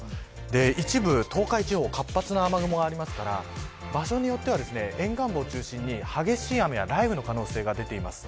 一部、東海地方活発な雨雲がありますから場所によっては沿岸部を中心に、激しい雨や雷雨の可能性が出ています。